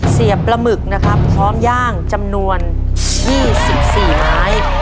เสียบปลาหมึกนะครับพร้อมย่างจำนวน๒๔ไม้